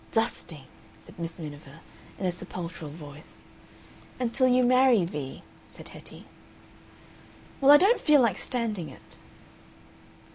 "DUSTING!" said Miss Miniver, in a sepulchral voice. "Until you marry, Vee," said Hetty. "Well, I don't feel like standing it."